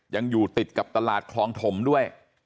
ยังอยู่ติดกับตลาดคลองถมด้วย